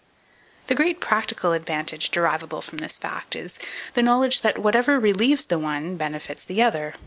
_ 2456. The great practical advantage derivable from this fact is, the knowledge that whatever relieves the one benefits the other.